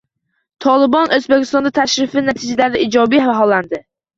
Tolibon O‘zbekistonga tashrifi natijalarini ijobiy baholadi